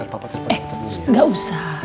eh gak usah